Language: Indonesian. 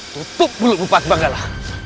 tutup mulutmu pati manggala